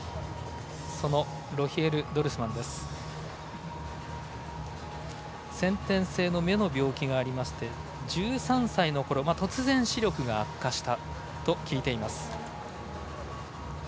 ロヒエル・ドルスマンは先天性の目の病気がありまして１３歳のころ、突然視力が悪化したと聞いています。